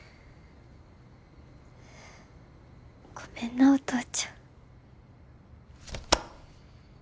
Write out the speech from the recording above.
ごめんなお父ちゃん。